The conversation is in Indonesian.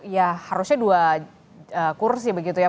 ya harusnya dua kursi begitu ya